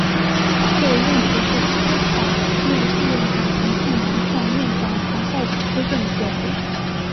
这一任职是司法院副院长洪寿南向院长黄少谷推荐的结果。